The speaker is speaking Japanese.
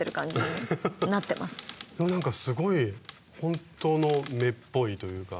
でもなんかすごい本当の目っぽいというか。